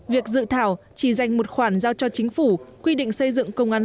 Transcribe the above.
việc dự thảo chỉ dành một khoản giao cho chính phủ quy định xây dựng công an